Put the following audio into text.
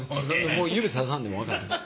もう指ささんでも分かる。